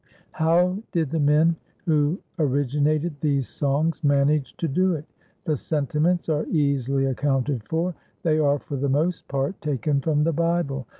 How did the men who originated these songs manage to do it? The sentiments are easily accounted for; they are, for the most part, taken from the Bible.